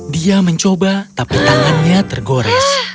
dia mencoba tapi tangannya tergores